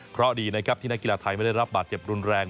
เพราะดีนะครับที่นักกีฬาไทยไม่ได้รับบาดเจ็บรุนแรง